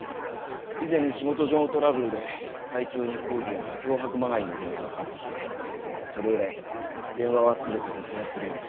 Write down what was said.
以前仕事上のトラブルで会長に抗議や脅迫まがいの電話がかかってきてそれ以来電話は全て録音するようにしていて。